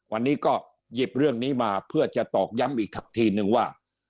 วันนี้ก็หยิบเรื่องนี้มาเพื่อจะตอกย้ำอีกทีนึงว่า